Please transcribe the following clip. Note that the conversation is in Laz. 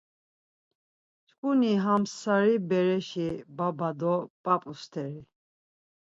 Şǩuni ham sari bereşi baba do p̌ap̌u st̆eri.